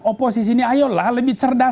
oposisi ini ayolah lebih cerdas